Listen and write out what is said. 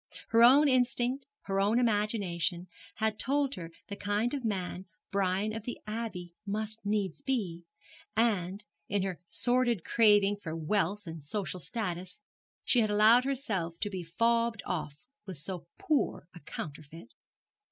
Her own instinct, her own imagination, had told her the kind of man Brian of the Abbey must needs be, and, in her sordid craving for wealth and social status, she had allowed herself to be fobbed off with so poor a counterfeit.